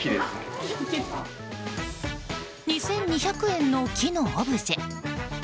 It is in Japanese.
２２００円の木のオブジェ。